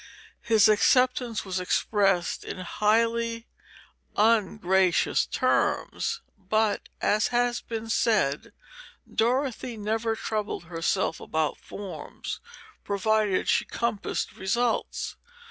His acceptance was expressed in highly ungracious terms; but, as has been said, Dorothy never troubled herself about forms, provided she compassed results.